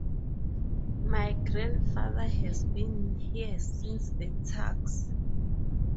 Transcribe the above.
My grandfather has been here since the Turks.